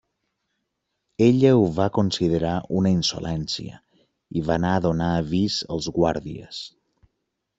Ella ho va considerar una insolència i va anar a donar avís als guàrdies.